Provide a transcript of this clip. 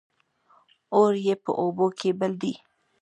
اور يې په اوبو کې بل دى